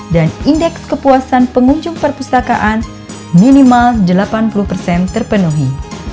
dan indeks kepuasan pengunjung perpustakaan minimal delapan puluh terpenuhi